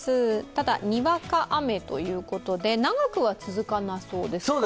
ただ、にわか雨ということで長くは続かなそうですか？